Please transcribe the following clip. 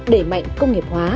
đẩy mạnh công nghiệp hóa